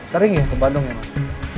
sering ya ke bandung ya mas